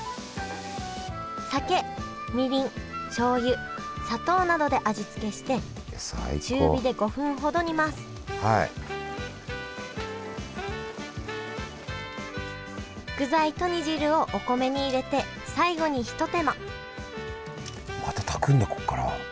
酒みりんしょうゆ砂糖などで味付けして具材と煮汁をお米に入れて最後にひと手間また炊くんだここから。